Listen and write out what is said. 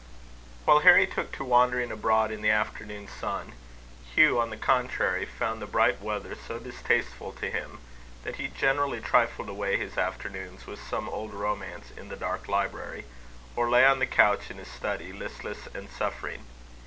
While Harry took to wandering abroad in the afternoon sun, Hugh, on the contrary, found the bright weather so distasteful to him, that he generally trifled away his afternoons with some old romance in the dark library, or lay on the couch in his study, listless and suffering.